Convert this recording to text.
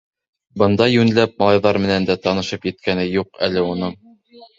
Бында йүнләп малайҙар менән дә танышып еткәне юҡ әле уның.